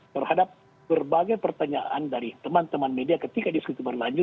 terhadap berbagai pertanyaan dari teman teman media ketika diskusi itu berlanjut